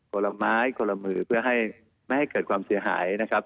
ละไม้คนละมือเพื่อให้ไม่ให้เกิดความเสียหายนะครับ